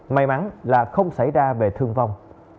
may mắn là không xảy ra về thương vong